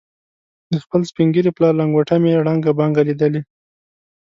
د خپل سپین ږیري پلار لنګوټه مې ړنګه بنګه لیدلې.